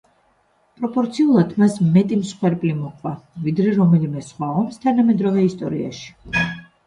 პროპორციულად, მას მეტი მსხვერპლი მოჰყვა, ვიდრე რომელიმე სხვა ომს თანამედროვე ისტორიაში.